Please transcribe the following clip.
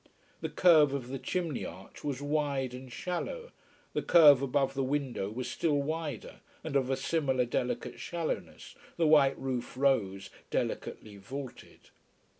The curve of the chimney arch was wide and shallow, the curve above the window was still wider, and of a similar delicate shallowness, the white roof rose delicately vaulted.